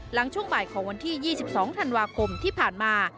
ช่วงบ่ายของวันที่๒๒ธันวาคมที่ผ่านมา